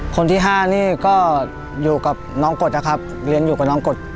คนที่๕นี่ก็อยู่กับน้องกฎนะครับเรียนอยู่กับน้องกฎ